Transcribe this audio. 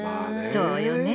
そうよね。